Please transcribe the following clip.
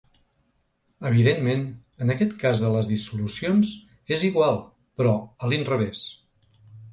Evidentment, en aquest cas de les dissolucions és igual, però a l’inrevés.